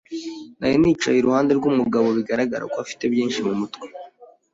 Nari nicaye iruhande rwumugabo bigaragara ko afite byinshi mumutwe.